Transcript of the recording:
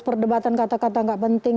perdebatan kata kata gak penting